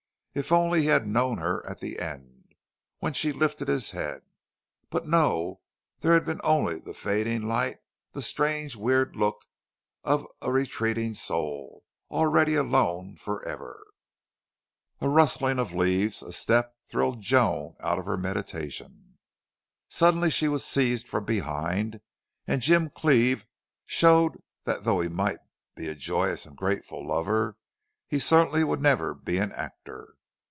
If only he had known her at the end when she lifted his head! But no there had been only the fading light the strange, weird look of a retreating soul, already alone forever. A rustling of leaves, a step thrilled Joan out of her meditation. Suddenly she was seized from behind, and Jim Cleve showed that though he might be a joyous and grateful lover, he certainly would never be an actor.